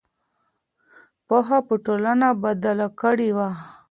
پوهه به ټولنه بدله کړې وي.